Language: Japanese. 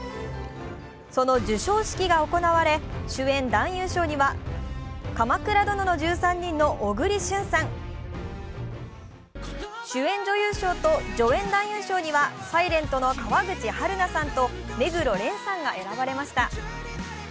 その授賞式が行われ主演男優賞には「鎌倉殿の１３人」の小栗旬さん。主演女優賞と助演男優賞には、「ｓｉｌｅｎｔ」の川口春奈さんと目黒蓮さんが選ばれました。